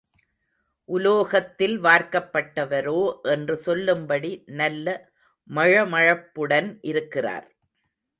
உலோகத்தில் வார்க்கப்பட்டவரோ என்று சொல்லும்படி நல்ல மழமழப்புடன் இருக்கிறார்.